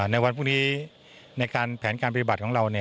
ในวันพรุ่งนี้ในการแผนการปฏิบัติของเรา